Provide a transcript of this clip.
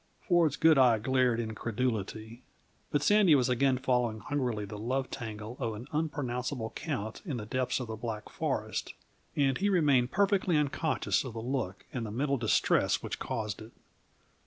Ford's good eye glared incredulity, but Sandy was again following hungrily the love tangle of an unpronounceable count in the depths of the Black Forest, and he remained perfectly unconscious of the look and the mental distress which caused it.